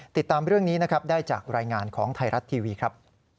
ติดตามเรื่องนี้นะครับได้จากรายงานของไทยรัฐทีวีครับ